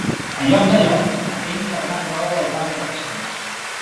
En lloc d'allò, ateny la gran roda del parc d'atraccions.